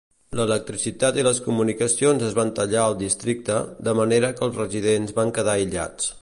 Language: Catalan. L'electricitat i les comunicacions es van tallar al districte, de manera que els residents van quedar aïllats.